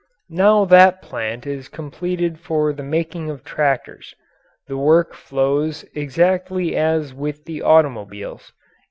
Now that plant is completed for the making of tractors. The work flows exactly as with the automobiles.